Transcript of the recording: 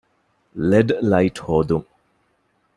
ލެޑް ލައިޓް ހޯދުން